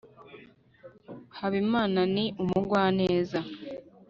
habimana ni umugwaneza